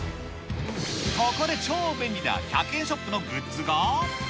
ここで超便利な１００円ショップのグッズが。